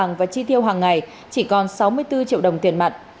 trong lúc nãy chi tiêu hàng ngày chỉ còn sáu mươi bốn triệu đồng tiền mặn